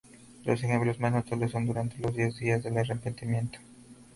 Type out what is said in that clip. Los ejemplos más notables son durante los diez días del arrepentimiento.